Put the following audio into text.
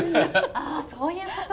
あそういうこと？